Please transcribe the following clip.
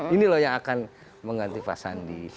ini loh yang akan mengganti pak sandi